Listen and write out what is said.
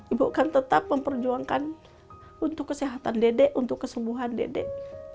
ibu akan tetap memperjuangkan untuk kesehatan dedek untuk kesembuhan dedek